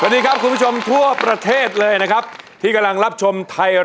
นัดสู้ชิ้นงาน